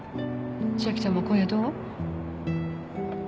千晶ちゃんも今夜どう？